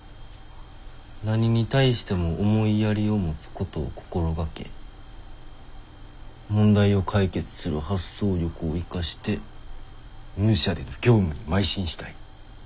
何に対しても思いやりを持つことを心がけ問題を解決する発想力を生かして御社での業務にまい進したい。